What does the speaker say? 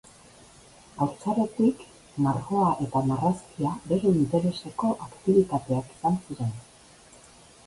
Haurtzarotik margoa eta marrazkia bere intereseko aktibitateak izan ziren.